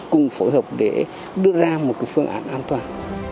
cũng phù hợp để đưa ra một phương án an toàn